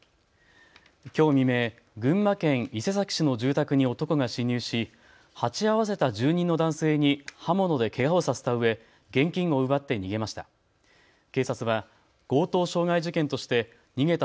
きょう未明、群馬県伊勢崎市の住宅に男が侵入し鉢合わせた住人の男性に刃物でけがをさせたうえ現金を奪って逃げました。